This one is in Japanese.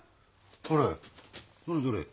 どれどれどれ。